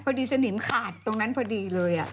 สนิมขาดตรงนั้นพอดีเลย